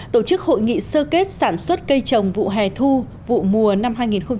tổ chức hội nghị sơ kết sản xuất cây trồng vụ hè thu vụ mùa năm hai nghìn một mươi chín